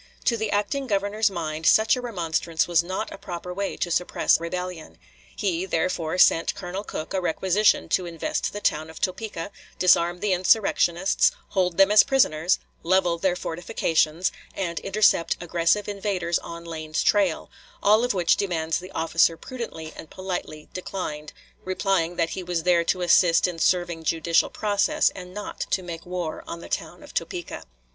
To the acting Governor's mind, such a remonstrance was not a proper way to suppress rebellion. He, therefore, sent Colonel Cooke a requisition to invest the town of Topeka, disarm the insurrectionists, hold them as prisoners, level their fortifications, and intercept aggressive invaders on "Lane's trail"; all of which demands the officer prudently and politely declined, replying that he was there to assist in serving judicial process, and not to make war on the town of Topeka.